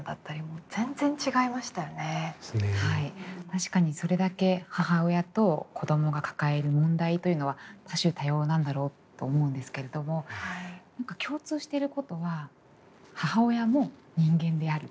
確かにそれだけ母親と子供が抱える問題というのは多種多様なんだろうと思うんですけれども何か共通してることは母親も人間である。